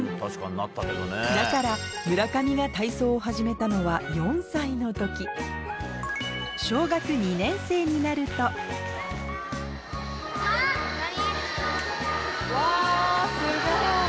だから村上が体操を始めたのは４歳の時小学２年生になるとわすごい！